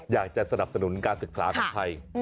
อยากจะสนับสนุนการศึกษาของไทย